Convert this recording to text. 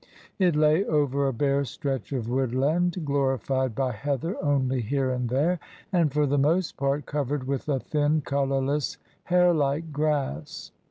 It lay over a bare stretch of woodland, glorified by heather only here and there, and for the most part covered with a thin, colourless, hair like grass.